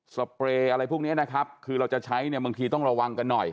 เปรย์อะไรพวกนี้นะครับคือเราจะใช้เนี่ยบางทีต้องระวังกันหน่อย